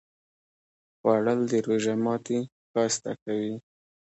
خوړل د روژه ماتی ښایسته کوي